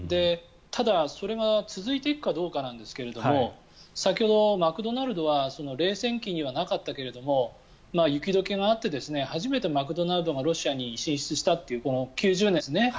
ただ、それが続いていくかどうかなんですけど先ほど、マクドナルドは冷戦期にはなかったけれども雪解けがあって初めてマクドナルドがロシアに進出したという９０年ですね。